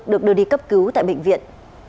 được đưa đi cấp cứu tại bệnh viện